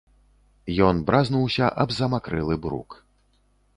Ён бразнуўся аб замакрэлы брук.